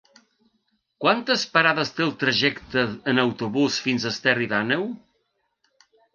Quantes parades té el trajecte en autobús fins a Esterri d'Àneu?